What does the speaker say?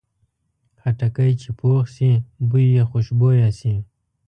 خټکی چې پوخ شي، بوی یې خوشبویه شي.